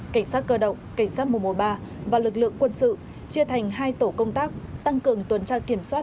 cảnh sát cơ động cảnh sát mùa mùa ba và lực lượng quân sự chia thành hai tổ công tác tăng cường tuần tra kiểm soát